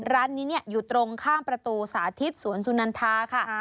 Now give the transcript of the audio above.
ร้านนี้อยู่ตรงข้ามประตูสาธิตสวนสุนันทาค่ะ